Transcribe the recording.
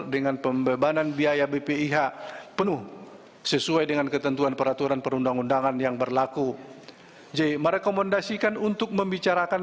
dan bpih sebanyak delapan orang